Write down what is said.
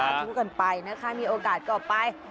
ชู้กันไปนะคะมีโอกาสก็ไป